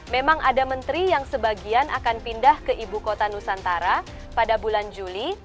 memang ada menteri yang sebagian akan pindah ke ibu kota nusantara pada bulan juli